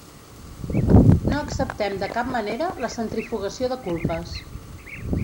No acceptem de cap manera la centrifugació de culpes.